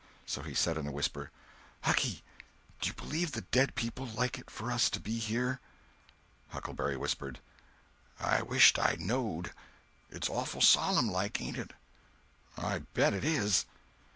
So he said in a whisper: "Hucky, do you believe the dead people like it for us to be here?" Huckleberry whispered: "I wisht I knowed. It's awful solemn like, ain't it?" "I bet it is."